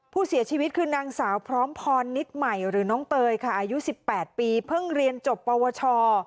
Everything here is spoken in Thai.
ผู้เสียชีวิตคือนางสาวพร้อมพรนิดใหม่หรือน้องเตยค่ะอายุ๑๘ปีเพิ่งเรียนจบปวช